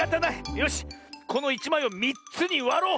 よしこの１まいを３つにわろう！